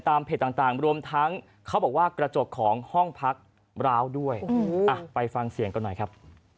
เพจต่างรวมทั้งเขาบอกว่ากระจกของห้องพักร้าวด้วยไปฟังเสียงกันหน่อยครับ